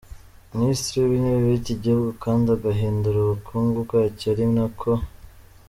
Minisitiri wIntebe wiki gihugu kandi agahindura ubukungu bwacyo ari nako.